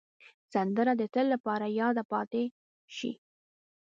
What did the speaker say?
سندره د تل لپاره یاده پاتې شي